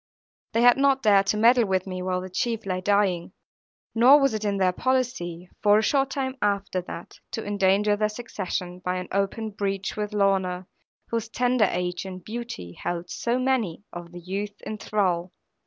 They had not dared to meddle with me while the chief lay dying; nor was it in their policy, for a short time after that, to endanger their succession by an open breach with Lorna, whose tender age and beauty held so many of the youths in thrall.